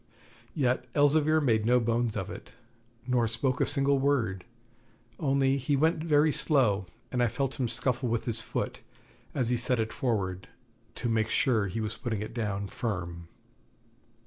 Yet Elzevir made no bones of it, nor spoke a single word; only he went very slow, and I felt him scuffle with his foot as he set it forward, to make sure he was putting it down firm.